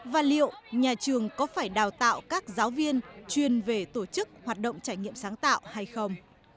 và liệu nhà trường có phải đào tạo các giáo viên chuyên về tổ chức hoạt động trải nghiệm sáng tạo hay không